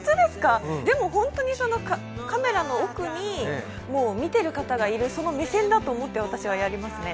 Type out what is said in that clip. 本当にカメラの奥に見ている方がいる、その目線だと思って私はやりますね。